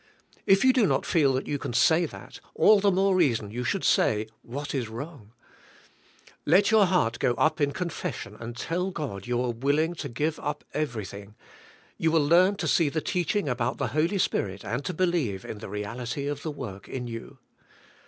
If you do not feel that you can say that, all the more reason you should say, what is wrong? Let your heart go up in confession and tell God you are willing to giye up eyerything: you will learn to see the teaching about the Holy Spirit and to be lieye in the reality of the work in 3'ou.